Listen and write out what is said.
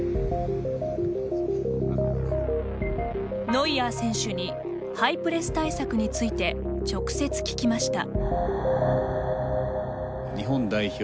ノイアー選手にハイプレス対策について直接聞きました。